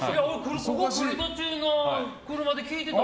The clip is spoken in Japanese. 来る途中の車で聴いてた。